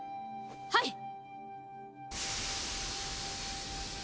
はい！